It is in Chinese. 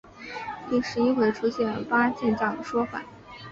第十一回出现八健将的说法。